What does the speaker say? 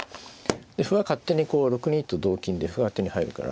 で歩は勝手にこう６二と同金で歩が手に入るから。